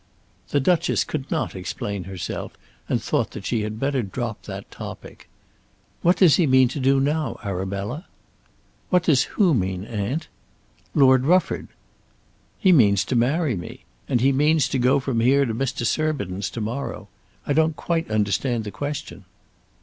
The Duchess could not explain herself, and thought that she had better drop that topic. "What does he mean to do now, Arabella?" "What does who mean, aunt?" "Lord Rufford." "He means to marry me. And he means to go from here to Mr. Surbiton's to morrow. I don't quite understand the question."